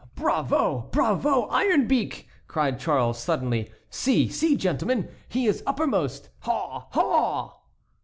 "Bravo! Bravo! Iron beak!" cried Charles, suddenly. "See, see, gentlemen, he is uppermost! Haw! haw!"